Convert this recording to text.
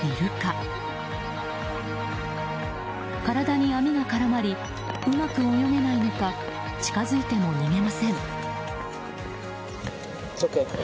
体に網が絡まりうまく泳げないのか近づいても逃げません。